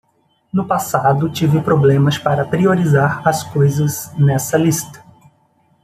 No passado, tive problemas para priorizar as coisas nessa lista.